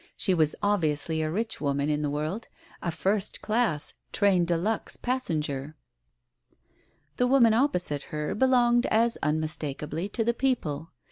She was obviously a rich woman in the world, a first class train de luxe passenger. The woman opposite her belonged as unmistakably to the people.